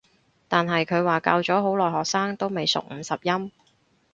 但係佢話教咗好耐學生都未熟五十音